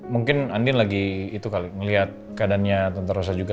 mungkin andin lagi itu kali ngelihat keadaannya tante rosa juga